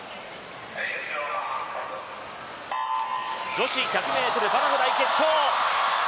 女子１００ｍバタフライ決勝。